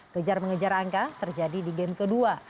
kejar mengejar angka terjadi di game kedua